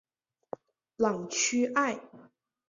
朗屈艾。